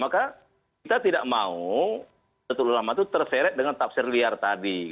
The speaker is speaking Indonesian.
maka kita tidak mau tertul ulama itu terseret dengan tafsir liar tadi